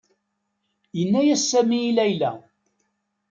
Yenna-as Sami i Layla.